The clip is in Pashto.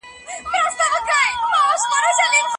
مفاهمه د ګډ ژوند لپاره څومره اړينه ده؟